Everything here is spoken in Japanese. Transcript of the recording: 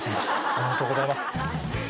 おめでとうございます。